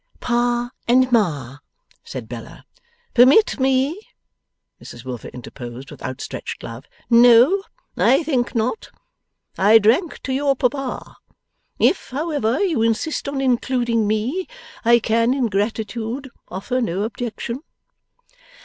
'Pa and Ma!' said Bella. 'Permit me,' Mrs Wilfer interposed, with outstretched glove. 'No. I think not. I drank to your papa. If, however, you insist on including me, I can in gratitude offer no objection.